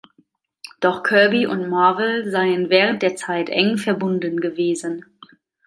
Doch Kirby und Marvel seien während der Zeit eng verbunden gewesen.